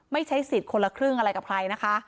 ใช้สิทธิ์คนละครึ่งอะไรกับใครนะคะ